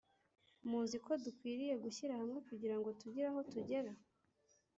Muziko dukwiriye gushyira hamwe kugira ngo tugire aho tugera